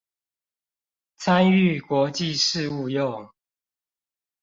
參與國際事務用